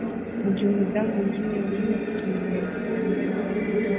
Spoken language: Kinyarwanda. mugihe umudamu wijimye wijimye apfukamye ibirenge byambaye ibiti inyuma